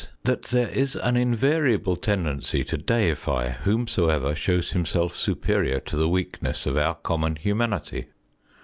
that there is an invariable tendency to deify whomsoever shows himself superior to the weakness of our common humanity.